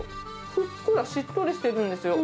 ふっくら、しっとりしてるんですよ。